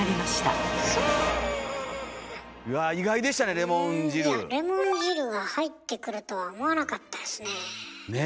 レモン汁が入ってくるとは思わなかったですね。ね！